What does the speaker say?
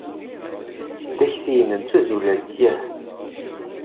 Takti-nnem d tazulalt. Yah?